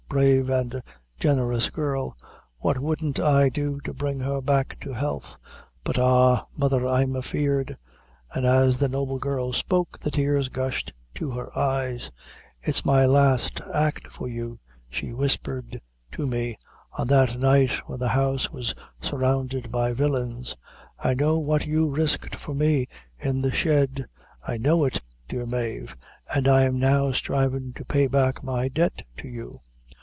brave and generous girl what wouldn't I do to bring her back to health! But ah, mother, I'm afeard;" and as the noble girl spoke, the tears gushed to her eyes "'It's my last act for you,' she whispered to me, on that night when the house was surrounded by villains 'I know what you risked for me in the shed; I know it, dear Mave, an' I'm now sthrivin' to pay back my debt to you.'